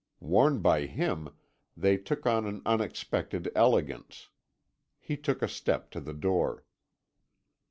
Worn by him, they took on an unexpected elegance. He took a step to the door.